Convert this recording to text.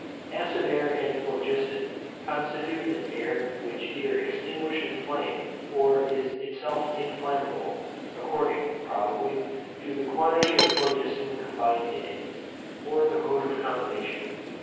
Acid air and phlogiston constitute an air which either extinguishes flame, or is itself inflammable, according, probably, to the quantity of phlogiston combined in it, or the mode of combination.